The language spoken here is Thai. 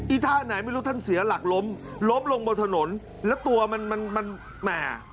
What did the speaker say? ท่าไหนไม่รู้ท่านเสียหลักล้มล้มลงบนถนนแล้วตัวมันมันแหม่